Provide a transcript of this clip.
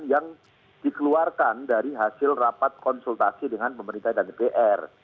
yang dikeluarkan dari hasil rapat konsultasi dengan pemerintah dan dpr